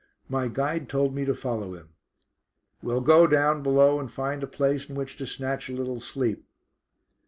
My guide told me to follow him. "We'll go down below and find a place in which to snatch a little sleep."